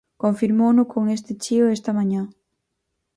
Confirmouno con este chío esta mañá.